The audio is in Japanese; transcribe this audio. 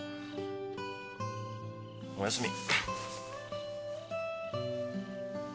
おやすみ。